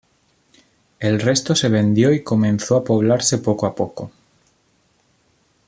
El resto se vendió y comenzó a poblarse poco a poco.